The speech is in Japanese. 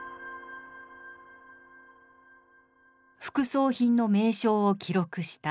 副葬品の名称を記録した石牌。